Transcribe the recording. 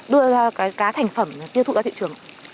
đưa ra cá thành phẩm tiêu thụ ở thị trường